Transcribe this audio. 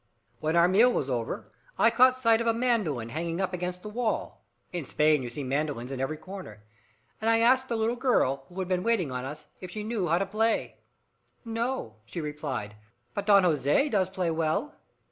After our meal was over, I caught sight of a mandolin hanging up against the wall in Spain you see mandolins in every corner and I asked the little girl, who had been waiting on us, if she knew how to play it. "No," she replied. "But Don Jose does play well!"